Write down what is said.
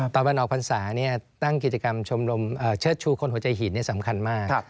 ตอนวันออกพรรษาตั้งกิจกรรมชมรมเชิดชูคนหัวใจหินสำคัญมาก